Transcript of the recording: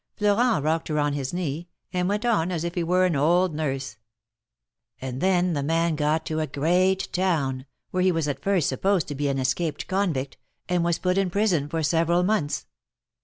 Florent rocked her on his knee, and went on as if he were an old nurse. ^^And then the man got to a great town, where he was at first supposed to be an escaped convict, and was put in prison for several months.